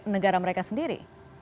negara mereka sendiri